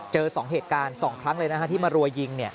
๒เหตุการณ์๒ครั้งเลยนะฮะที่มารัวยิง